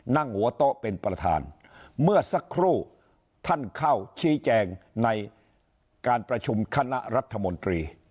นั่งหัวโต๊ะเป็นประธานเมื่อสักครู่ท่านเข้าชี้แจงในการประชุมคณะรัฐมนตรี